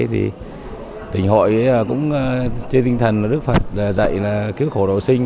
thì tỉnh hội cũng trên tinh thần là đức phật dạy là cứu khổ đổ sinh